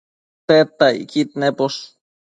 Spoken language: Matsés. Tedtacquid naposh